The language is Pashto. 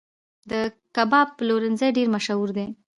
د کباب پلورنځي ډیر مشهور دي